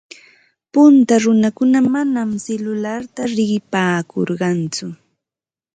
Punta runakuna manam silularta riqipaakurqatsu.